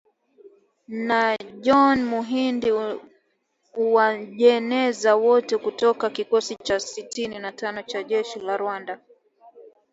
NA John Muhindi Uwajeneza, wote kutoka kikosi cha sitini na tano cha jeshi la Rwanda